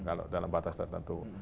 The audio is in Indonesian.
kalau dalam batas tertentu